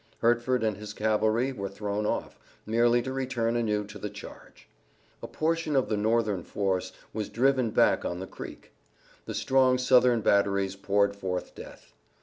Hertford and his cavalry were thrown off, merely to return anew to the charge. A portion of the Northern force was driven back on the creek. The strong Southern batteries poured forth death.